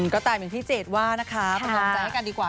ก็ตามอย่างที่เจศว่านะคะคงกำจัดให้กันดีกว่า